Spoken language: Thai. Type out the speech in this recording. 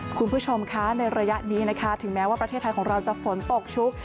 คุณผู้ชมคะในระยะนี้นะคะถึงแม้ว่าประเทศไทยของเราจะฝนตกชุก